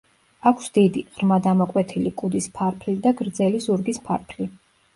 აქვს დიდი, ღრმად ამოკვეთილი კუდის ფარფლი და გრძელი ზურგის ფარფლი.